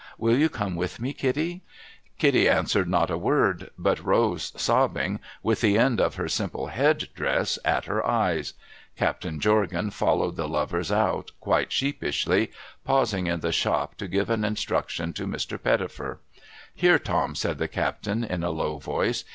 Will you come with me, Kitty ?' Kitty answered not a word, but rose sobbing, with the end of her simple head dress at her eyes. Captain Jorgan followed the lovers out, quite sheepishly, pausing in the shop to give an instruction to Mr. Pettifer. ' Here, Tom !' said the captain, in a low voice.